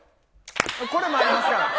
これもありますから。